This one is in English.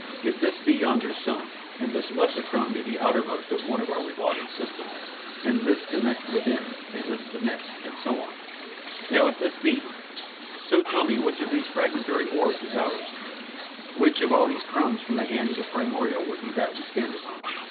If this be yonder sun and this lesser crumb be the outermost one of our revolving system, and this the next within, and this the next, and so on; now if this be so tell me which of these fragmentary orbs is ours which of all these crumbs from the hand of the primordial would be that we stand upon?"